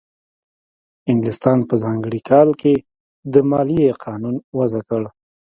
انګلستان په ځانګړي کال کې د مالیې قانون وضع کړ.